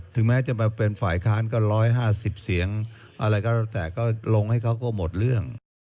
แม้จะมาเป็นฝ่ายค้านก็๑๕๐เสียงอะไรก็แล้วแต่ก็ลงให้เขาก็หมดเรื่อง